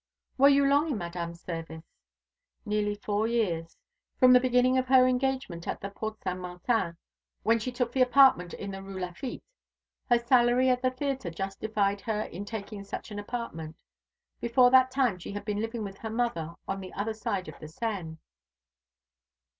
"Were you long in Madame's service?" "Nearly four years. From the beginning of her engagement at the Porte Saint Martin, when she took the apartment in the Rue Lafitte. Her salary at the theatre justified her in taking such an apartment. Before that time she had been living with her mother on the other side of the Seine."